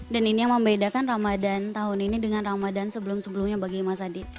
dan ini yang membedakan ramadhan tahun ini dengan ramadhan sebelum sebelumnya bagi mas adi